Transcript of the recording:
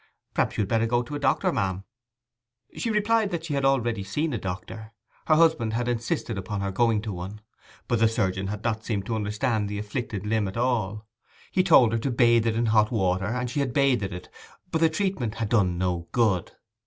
'Perhaps you had better go to a doctor, ma'am.' She replied that she had already seen a doctor. Her husband had insisted upon her going to one. But the surgeon had not seemed to understand the afflicted limb at all; he had told her to bathe it in hot water, and she had bathed it, but the treatment had done no good.